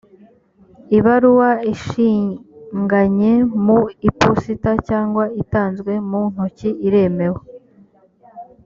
ibaruwa ishinganye mu iposita cyangwa itanzwe mu ntoki iremewe